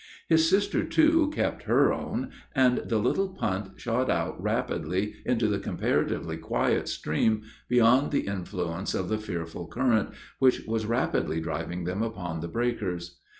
His sister, too, "kept her own," and the little punt shot out rapidly into the comparatively quiet stream, beyond the influence of the fearful current, which was rapidly driving them upon the breakers.